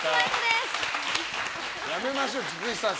やめましょう、菊地さん。